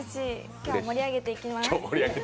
今日、盛り上げていきます。